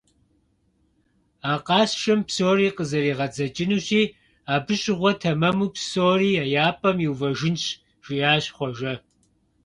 А къасшэм псори къызэригъэдзэкӀынущи, абы щыгъуэ тэмэму псори я пӀэм иувэжынщ, - жиӀащ Хъуэжэ.